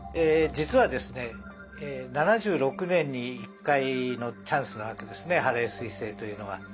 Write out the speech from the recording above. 実はですね７６年に１回のチャンスなわけですねハレー彗星というのは。